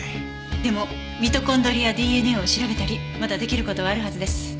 でもミトコンドリアＤＮＡを調べたりまだ出来る事はあるはずです。